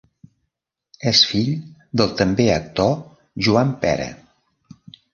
És fill del també actor Joan Pera.